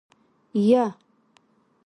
يه.